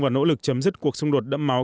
và nỗ lực chấm dứt cuộc xung đột đẫm máu